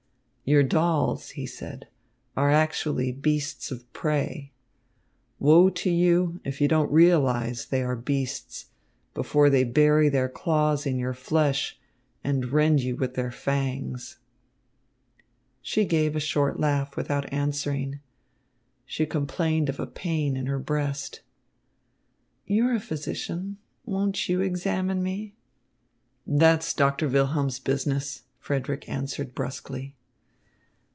"Your dolls," he said, "are actually beasts of prey. Woe to you, if you don't realise they are beasts before they bury their claws in your flesh and rend you with their fangs." She gave a short laugh without answering. She complained of a pain in her breast. "You're a physician. Won't you examine me?" "That's Doctor Wilhelm's business," Frederick answered brusquely.